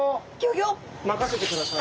まかせてください。